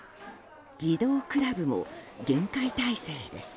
児童クラブも厳戒態勢です。